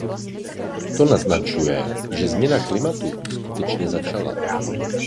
To naznačuje, že změna klimatu skutečně začala.